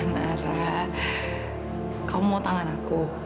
antara kamu mau tangan aku